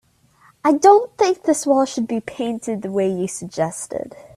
I don't think this wall should be painted the way you suggested.